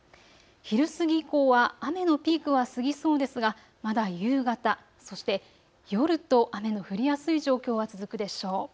昼過ぎ以降は雨のピークは過ぎそうですが、まだ夕方、そして夜と雨の降りやすい状況は続くでしょう。